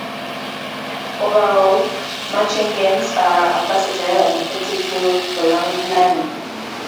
Overall, matching games are a versatile and effective tool for language learning.